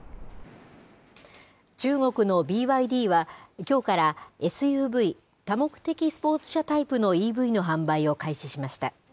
中国のＢＹＤは、きょうからＳＵＶ・多目的スポーツ車タイプのＥＶの販売を開始しました。